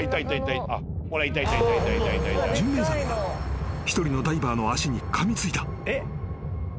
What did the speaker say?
［ジンベエザメが一人のダイバーの足にかみついた］